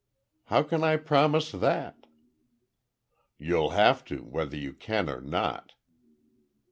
"How can I promise that?" "You'll have to, whether you can or not."